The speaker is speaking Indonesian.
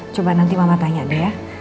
coba nanti mama tanya dia